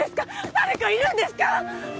誰かいるんですか？